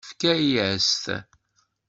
Tefka-yas-t.